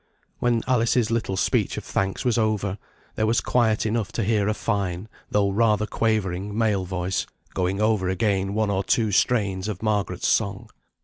When Alice's little speech of thanks was over, there was quiet enough to hear a fine, though rather quavering, male voice, going over again one or two strains of Margaret's song.